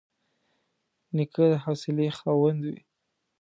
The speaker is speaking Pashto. نیکه د حوصلې خاوند وي.